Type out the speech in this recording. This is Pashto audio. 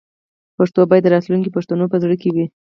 پښتو باید د راتلونکي پښتنو په زړه کې وي.